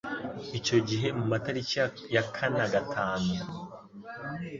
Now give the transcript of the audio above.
Icyo gihe mu matariki ya kana-gatanu